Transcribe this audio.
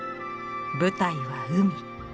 舞台は海。